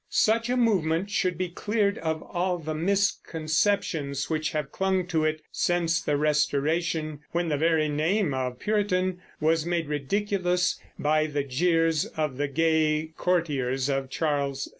Such a movement should be cleared of all the misconceptions which have clung to it since the Restoration, when the very name of Puritan was made ridiculous by the jeers of the gay courtiers of Charles II.